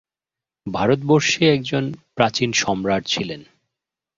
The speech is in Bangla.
ভারতবর্ষে একজন প্রাচীন সম্রাট ছিলেন।